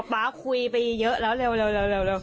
ป๊าคุยไปเยอะแล้วเร็ว